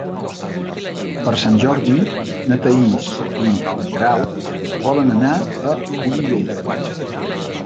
Per Sant Jordi na Thaís i na Queralt volen anar a Olivella.